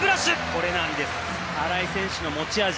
これなんです荒井選手の持ち味。